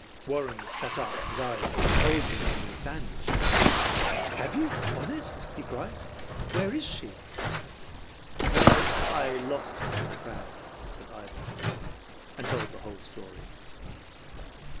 Warren sat up, his eyes bulging under, his bandage. "Have you, honest?" he cried. "Where is she?" "Well, I lost her in the crowd," said Ivan, and told the whole story.